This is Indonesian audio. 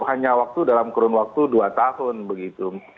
hanya waktu dalam kurun waktu dua tahun begitu